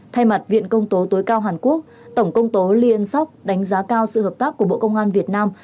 thay mặt viện công tố tối cao hàn quốc tổng công tố lyon đánh giá cao sự hợp tác của bộ công an việt nam